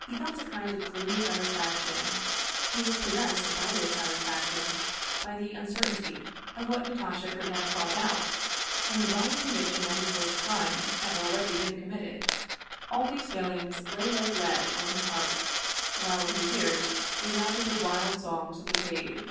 He felt a kind of gloomy satisfac tion; he was possessed by this satisfaction, by the uncer tainty of what Natasha could have thought out, by the question how it would all turn out, and by the conviction that his first crime had already been committed. All these feelings lay like lead on his heart, while in his ears re sounded the wild songs of the Cave.